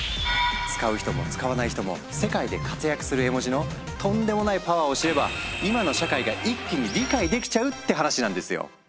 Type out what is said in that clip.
使う人も使わない人も世界で活躍する絵文字のとんでもないパワーを知れば今の社会が一気に理解できちゃうって話なんですよ！